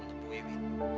ya ibu iwin